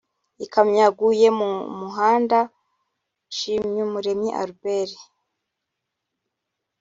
Ikamyo yaguye mu muhandaNshimyumuremyi Albert